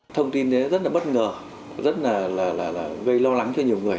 thông tin đấy rất là bất ngờ rất là gây lo lắng cho nhiều người